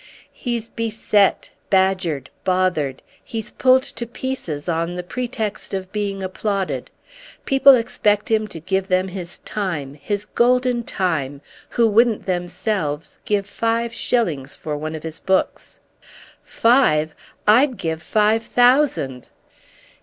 "He's beset, badgered, bothered—he's pulled to pieces on the pretext of being applauded. People expect him to give them his time, his golden time, who wouldn't themselves give five shillings for one of his books." "Five? I'd give five thousand!"